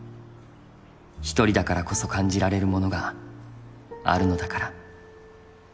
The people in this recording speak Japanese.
１人だからこそ感じられるものがあるのだから」。